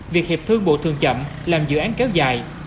việc hiệp thương bộ thường chậm làm dự án kéo dài